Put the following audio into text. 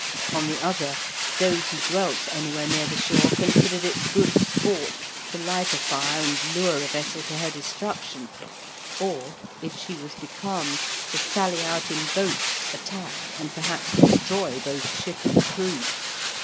On the other, those who dwelt anywhere near the shore considered it good sport to light a fire and lure a vessel to her destruction, or if she was becalmed to sally out in boats, attack, and perhaps destroy both ship and crew.